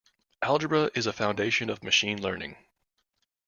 Algebra is a foundation of Machine Learning.